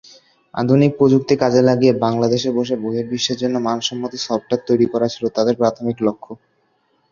আধুনিক প্রযুক্তি কাজে লাগিয়ে বাংলাদেশে বসে বহির্বিশ্বের জন্য মানসম্মত সফটওয়্যার তৈরি করা ছিল তাদের প্রাথমিক লক্ষ্য।